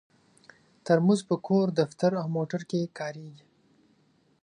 ترموز په کور، دفتر او موټر کې کارېږي.